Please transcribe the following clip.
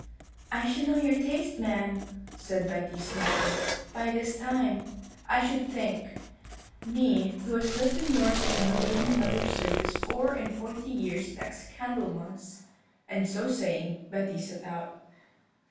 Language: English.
"'I should know your taste, ma'am,' said Betty, smiling, 'by this time, I should think me who has lived in yours and your lady mother's service four and forty years next Candlemas;' and so saying Betty set out."